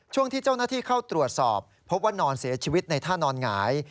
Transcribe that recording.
ช่วงที่เจ้าหน้าที่เข้าตรวจสอบพบว่านอนเสียชีวิตในท่านอนหงาย